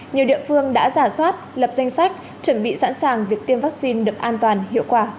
nhiều địa phương đã giả soát lập danh sách chuẩn bị sẵn sàng việc tiêm vaccine được an toàn hiệu quả